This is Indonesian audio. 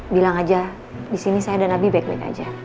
bilang aja disini saya dan nabi baik baik aja